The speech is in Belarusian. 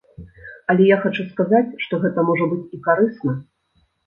Але я хачу сказаць, што гэта можа быць і карысна.